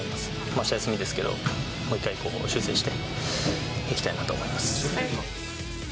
あした、休みですけど、もう一回、修正していきたいなと思います。